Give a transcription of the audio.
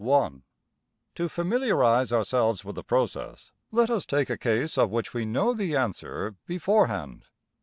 (1) To familiarize ourselves with the process, let us take a case of which we know the answer beforehand.